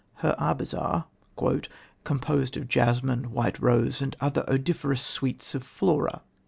Her arbours are "composed of jasmine, white rose, and other odoriferous sweets of Flora."